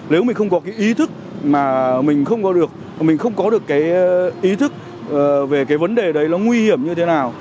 nếu mình không có cái ý thức mà mình không có được mà mình không có được cái ý thức về cái vấn đề đấy nó nguy hiểm như thế nào